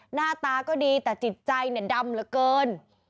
หน้าตาก็ดีแต่จิตใจเนี่ยดำเหลือเกิน